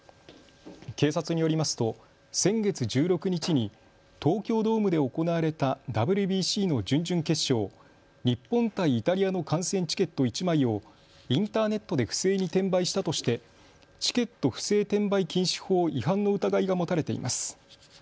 警察によりますと先月１６日に東京ドームで行われたＷＢＣの準々決勝、日本対イタリアの観戦チケット１枚をインターネットで不正に転売したとしてチケット不正転売禁止法違反の疑いが持たれています。